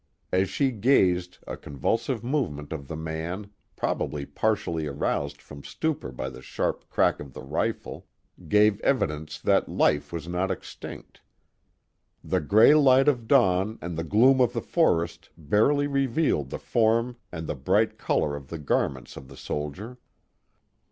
As she gazed, a convulsive move ment of the man, probably partially aroused from stupor by the sharp crack of the rifle, gave evidence that life was not ex tinct. The gray light of dawn and the gloom of the forest barely revealed the form and the bright color of the garments of the soldier.